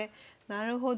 なるほど。